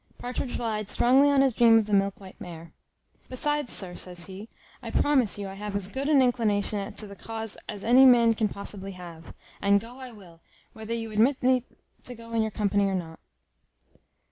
Partridge relied strongly on his dream of the milk white mare. "Besides, sir," says he, "I promise you I have as good an inclination to the cause as any man can possibly have; and go I will, whether you admit me to go in your company or not."